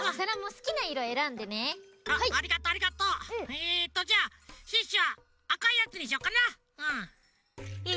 えっとじゃあシュッシュはあかいやつにしよっかなうん。